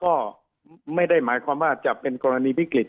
ก็ไม่ได้หมายความว่าจะเป็นกรณีวิกฤต